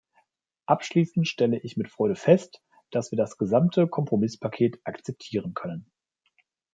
Abschließend stelle ich mit Freude fest, dass wir das gesamte Kompromisspaket akzeptieren können.